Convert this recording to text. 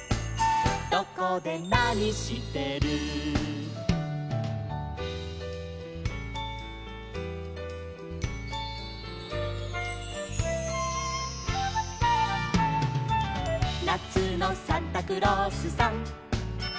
「どこでなにしてる」「なつのサンタクロースさん」